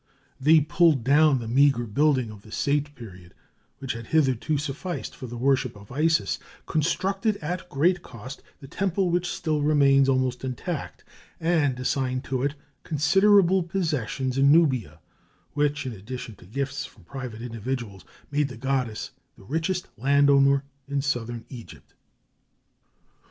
They pulled down the meagre building of the Saite period, which had hitherto sufficed for the worship of Isis, constructed at great cost the temple which still remains almost intact, and assigned to it considerable possessions in Nubia, which, in addition to gifts from private individuals, made the goddess the richest land owner in Southern Egypt.